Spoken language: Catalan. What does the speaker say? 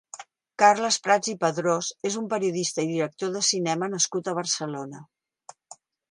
Carles Prats i Padrós és un periodista i director de cinema nascut a Barcelona.